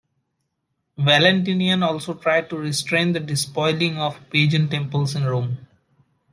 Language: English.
Valentinian also tried to restrain the despoiling of pagan temples in Rome.